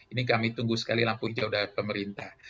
ini kami tunggu sekali lampu hijau dari pemerintah